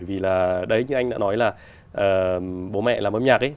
vì là đấy như anh đã nói là bố mẹ làm âm nhạc ấy